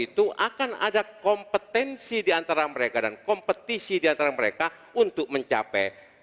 itu akan ada kompetensi diantara mereka dan kompetisi yang akan diperlukan untuk melayani warga jakarta